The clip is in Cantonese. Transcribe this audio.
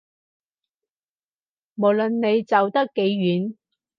無論你走得幾遠